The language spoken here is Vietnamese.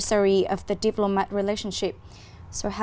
chúng tôi không thể tự hào hơn